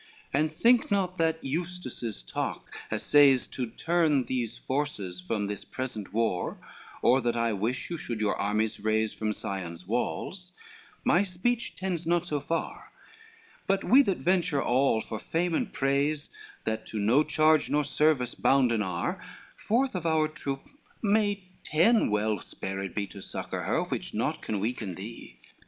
LXXIX "And think not that Eustace's talk assays To turn these forces from this present war, Or that I wish you should your armies raise From Sion's walls, my speech tends not so far: But we that venture all for fame and praise, That to no charge nor service bounden are, Forth of our troop may ten well spared be To succor her, which naught can weaken thee.